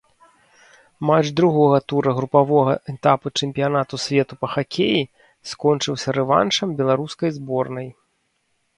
Матч другога тура групавога этапу чэмпіянату свету па хакеі скончыўся рэваншам беларускай зборнай.